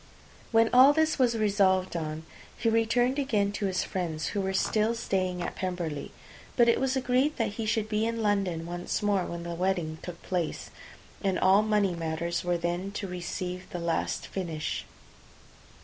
When all this was resolved on, he returned again to his friends, who were still staying at Pemberley; but it was agreed that he should be in London once more when the wedding took place, and all money matters were then to receive the last finish.